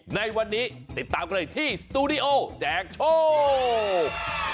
ในวันนี้ติดตามกันเลยที่สตูดิโอแจกโชค